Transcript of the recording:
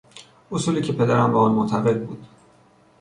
اصولی که پدرم به آن معتقد بود